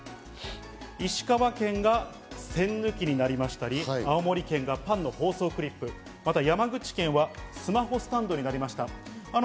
石川県が栓抜きになりましたり、青森県がパンの包装クリップ、山口県はスマホスタンドになりました。